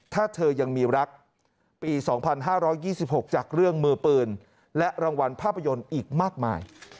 ถ้าเธอยังมีรักปี๒๕๒๖จากเรื่องมือปืนและรางวัลภาพยนตร์อีกมากมาย